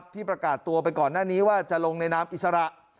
ที่ประกาศตัวไปก่อนหน้านี้ว่าจะลงในนามอิสระ